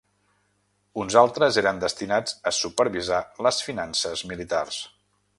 Uns altres eren destinats a supervisar les finances militars.